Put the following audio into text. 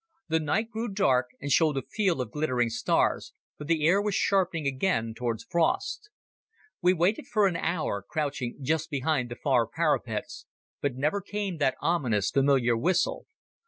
The night grew dark and showed a field of glittering stars, for the air was sharpening again towards frost. We waited for an hour, crouching just behind the far parapets, but never came that ominous familiar whistle.